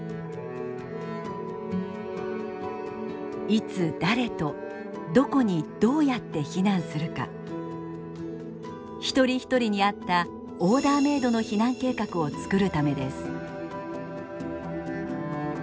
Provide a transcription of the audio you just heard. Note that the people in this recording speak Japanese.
いつ誰とどこにどうやって避難するか一人一人に合ったオーダーメイドの避難計画を作るためです。